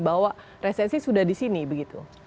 bahwa resensi sudah di sini begitu